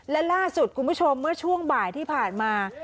และล่าสุดคุณผู้ชมเมื่อช่วงบ่ายที่ผ่านมา